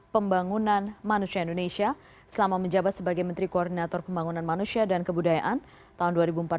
pembangunan manusia indonesia selama menjabat sebagai menteri koordinator pembangunan manusia dan kebudayaan tahun dua ribu empat belas